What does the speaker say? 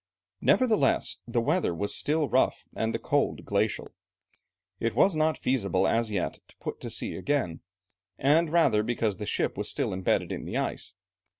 Nevertheless, the weather was still rough and the cold glacial. It was not feasible as yet to put to sea again, the rather because the ship was still embedded in the ice.